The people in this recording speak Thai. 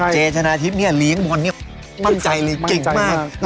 เจชนะทิพทำหมอนธรรมนี่มั่นใจเลยเก่งมาก